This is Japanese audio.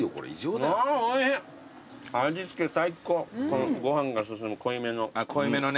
このご飯が進む濃いめの。